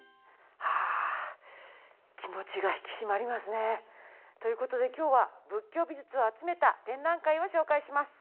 ああ気持ちが引き締まりますね。という事で今日は仏教美術を集めた展覧会を紹介します。